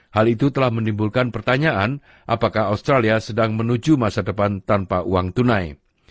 hal itu telah menimbulkan pertanyaan apakah australia sedang menuju masa depan tanpa uang tunai